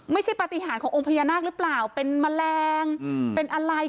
ปฏิหารขององค์พญานาคหรือเปล่าเป็นแมลงเป็นอะไร